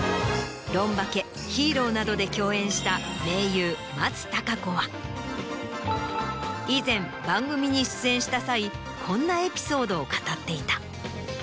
『ロンバケ』『ＨＥＲＯ』などで共演した盟友松たか子は以前番組に出演した際こんなエピソードを語っていた。